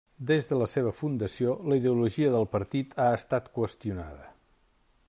Des de la seva fundació, la ideologia del partit ha estat qüestionada.